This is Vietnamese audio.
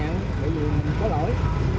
mình chấp nhận vì mình có lỗi